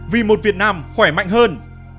vì một việt nam khỏe mạnh hơn